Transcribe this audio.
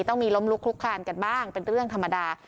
ต้องมีล้มลุกลุกคานกันบ้างเป็นเรื่องธรรมดา